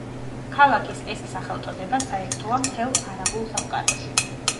ქალაქის ეს სახელწოდება საერთოა მთელ არაბულ სამყაროში.